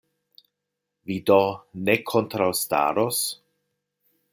Vi do ne kontraŭstaros?